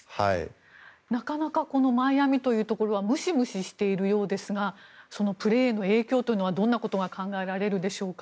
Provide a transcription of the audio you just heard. なかなかマイアミというところはムシムシしているようですがプレーへの影響というのはどんなことが考えられるでしょうか。